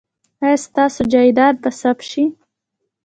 ایا ستاسو جایداد به ثبت شي؟